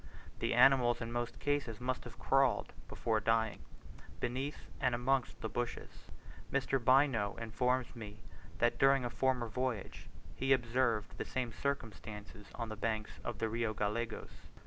The animals in most cases must have crawled, before dying, beneath and amongst the bushes. Mr. Bynoe informs me that during a former voyage he observed the same circumstance on the banks of the Rio Gallegos.